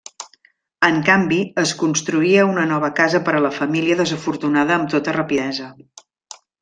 En canvi, es construïa una nova casa per a la família desafortunada amb tota rapidesa.